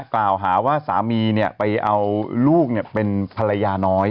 กล่าวหาว่าสามีไปเอาลูกเป็นภรรยาน้อย